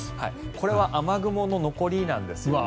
これは雨雲の残りなんですね。